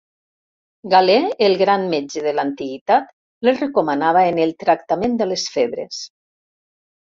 Galè, el gran metge de l'Antiguitat, les recomanava en el tractament de les febres.